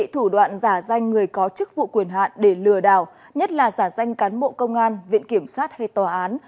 thủ đoạn giả danh người có chức vụ quyền hạn để lừa đảo nhất là giả danh cán bộ công an viện kiểm sát hay tòa án